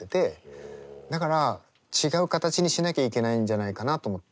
だから違う形にしなきゃいけないんじゃないかなと思って。